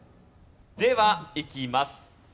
ではいきます。